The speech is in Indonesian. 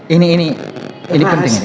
ini ini ini penting